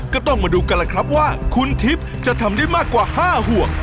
ก็ต้องมาดูกันล่ะครับว่าคุณทิพย์จะทำได้มากกว่า๕ห่วง